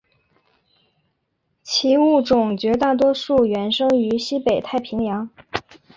其物种绝大多数原生于西北太平洋。